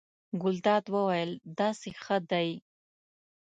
ګلداد وویل: داسې ښه دی.